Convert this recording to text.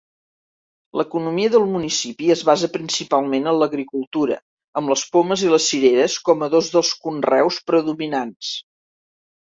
L'economia del municipi es basa principalment en l'agricultura, amb les pomes i les cireres com a dos dels conreus predominants.